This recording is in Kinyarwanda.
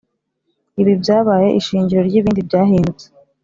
Ibi byabaye ishingiro ry' ibindi byahindutse